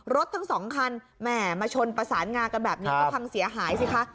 รถทั้งสองคันแหม่มาชนประสานงากันแบบนี้ก็พังเสียหายสิคะ